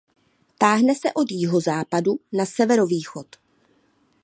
Táhne se od jihozápadu na severovýchod.